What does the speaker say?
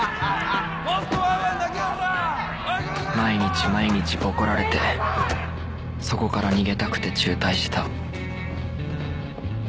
［毎日毎日ボコられてそこから逃げたくて中退した］